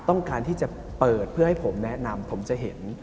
ต้องการที่จะเปิดเพื่อให้ผมแนะนำผมจะเห็น